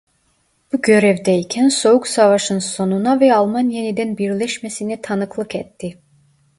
Bu görevdeyken Soğuk Savaş'ın sonuna ve Alman yeniden birleşmesine tanıklık etti.